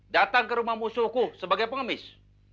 datang ke rumah musuhku sebagai pengemis